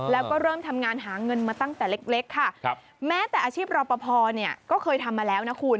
แล้วก็เริ่มทำงานหาเงินมาตั้งแต่เล็กค่ะแม้แต่อาชีพรอปภเนี่ยก็เคยทำมาแล้วนะคุณ